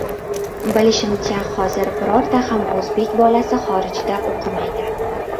Bilishimcha hozir birorta ham o‘zbek bolasi xorijda o‘qimaydi.